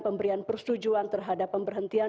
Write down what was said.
pemberian persetujuan terhadap pemberhentian